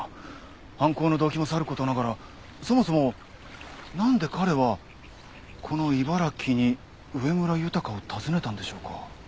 犯行の動機もさることながらそもそも何で彼はこの茨城に上村浩を訪ねたんでしょうか。